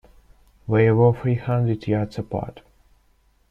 They were three hundred yards apart.